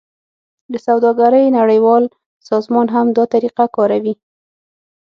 د سوداګرۍ نړیوال سازمان هم دا طریقه کاروي